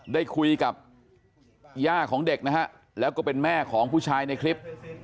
ได้คุยกับย่าของเด็กนะฮะแล้วก็เป็นแม่ของผู้ชายในคลิป